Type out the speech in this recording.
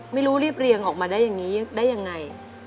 รีบเรียงออกมาได้อย่างนี้ได้ยังไง